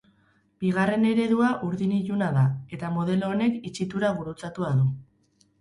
Bigarren eredua urdin iluna da, eta modelo honek itxitura gurutzatua du.